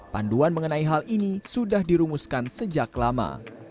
panduan mengenai hal ini sudah dirumuskan sejak lama